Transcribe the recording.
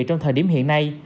trong thời điểm hiện nay